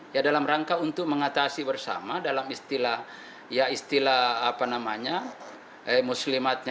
ya dalam rangka untuk mengatasi bersama dalam istilah muslimatnya